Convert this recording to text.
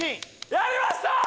やりました！